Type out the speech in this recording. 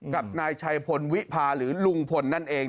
กับนายชัยพลวิพาหรือลุงพลนั่นเอง